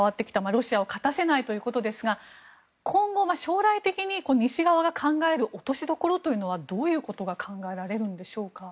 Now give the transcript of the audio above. ロシアを勝たせないということですが今後、将来的に西側が考える落としどころというのはどういうことが考えられるんでしょうか。